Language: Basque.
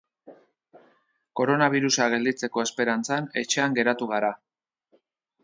Koronabirusa gelditzeko esperantzan, etxean geratu gara.